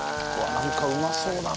なんかうまそうだな